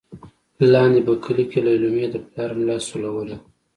لاندې په کلي کې لېلما د پلار ملا سولوله.